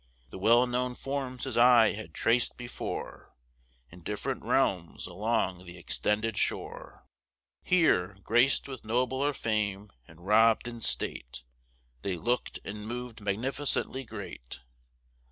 The well known forms his eye had trac'd before, In diff'rent realms along th' extended shore; Here, grac'd with nobler fame, and rob'd in state, They look'd and mov'd magnificently great.